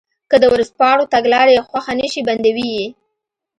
که د ورځپاڼو تګلاره یې خوښه نه شي بندوي یې.